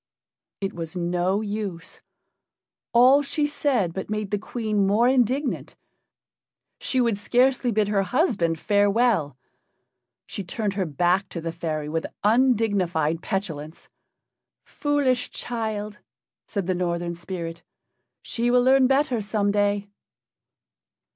It was no use. All she said but made the Queen more indignant. She would scarcely bid her husband farewell: she turned her back to the fairy with undignified petulance. "Foolish child," said the Northern spirit. "She will learn better some day."